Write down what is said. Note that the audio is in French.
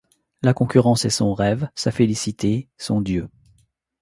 La concurrence est son rêve, sa félicité, son dieu.